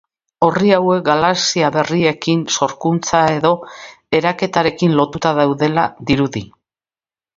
Orri hauek galaxia berrien sorkuntza edo eraketarekin lotuta daudela dirudi.